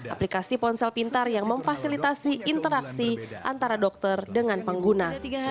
aplikasi ponsel pintar yang memfasilitasi interaksi antara dokter dengan pengguna